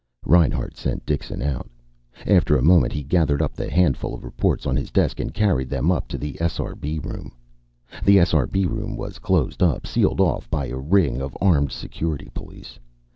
Reinhart sent Dixon out. After a moment he gathered up the handful of reports on his desk and carried them up to the SRB room. The SRB room was closed up, sealed off by a ring of armed Security police.